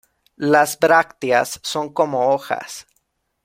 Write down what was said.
Las brácteas son como hojas.